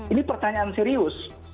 ini pertanyaan serius